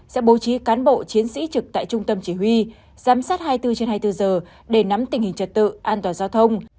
sẽ bố trí cán bộ chiến sĩ trực tại trung tâm chỉ huy giám sát hai mươi bốn trên hai mươi bốn giờ để nắm tình hình trật tự an toàn giao thông